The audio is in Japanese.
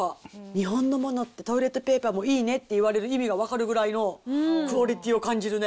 日本のものって、トイレットペーパーもいいねって言われる意味が分かるぐらいのクオリティーを感じるね。